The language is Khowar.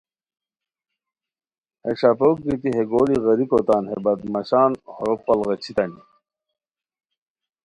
ہے ݰابوک گیتی ہے گولی غیریکو تان ہے بدمعاشان ہورو پڑغچیھتانی